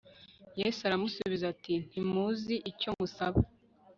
yesu aramusubiza ati ntimuzi icyo musaba